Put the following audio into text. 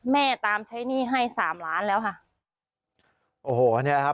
ตามใช้หนี้ให้สามล้านแล้วค่ะโอ้โหเนี่ยครับ